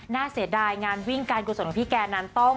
เสียดายงานวิ่งการกุศลของพี่แกนั้นต้อง